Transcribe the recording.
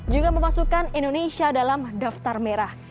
juga memasukkan indonesia dalam daftar merah